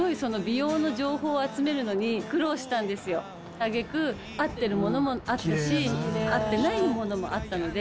揚げ句合ってるものもあったし合ってないものもあったので。